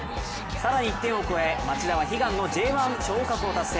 更に１点を加え、町田は悲願のＪ１昇格を達成。